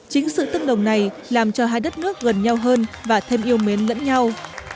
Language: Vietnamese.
chính sự tương đồng này làm cho hai đất nước gần nhau hơn và thêm yêu mến lẫn nhau